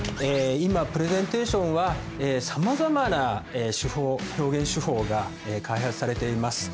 今プレゼンテーションはさまざまな手法表現手法が開発されています。